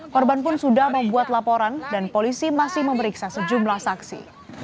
korban pun sudah membuat laporan dan polisi masih memeriksa sejumlah saksi